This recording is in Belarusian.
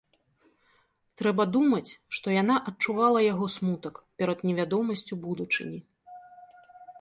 Трэба думаць, што яна адчувала яго смутак перад невядомасцю будучыні.